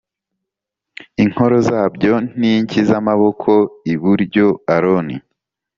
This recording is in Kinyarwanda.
Inkoro zabyo n inshyi z amaboko y iburyo Aroni